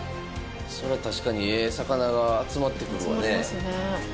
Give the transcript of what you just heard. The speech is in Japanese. それは確かにええ魚が集まってくるわね。